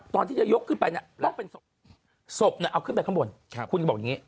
ตอนที่จะยกขึ้นไปต้องเป็นศพเอาขึ้นไปข้างบนคุณก็บอกอย่างนี้